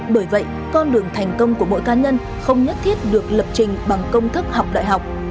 bởi vậy con đường thành công của mỗi cá nhân không nhất thiết được lập trình bằng công thức học đại học